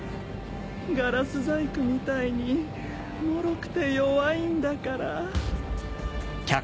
ガラス細工みたいにもろくて弱いんだから。